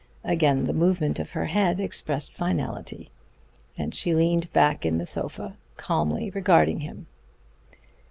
Again the movement of her head expressed finality, and she leaned back in the sofa, calmly regarding him.